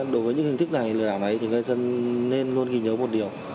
đối với những hình thức này người đảm nói thì người dân nên luôn ghi nhớ một điều